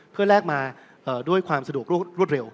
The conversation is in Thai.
เพื่อแลกมาด้วยความสะดวกรวดเร็ว